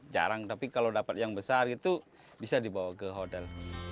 jarang tapi kalau dapat yang besar itu bisa dibawa ke hotel